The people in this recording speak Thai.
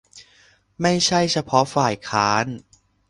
ไม่ใช่เฉพาะฝ่ายค้าน